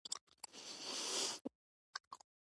په ډار جنو سترګو کتل، دریو واړو موټروانانو پرې وخندل.